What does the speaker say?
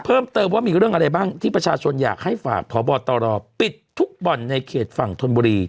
เพิ่มเติมว่ามีเรื่องอะไรบ้างที่ประชาชนอยากให้ฝากพบตรปิดทุกบ่อนในเขตฝั่งธนบุรี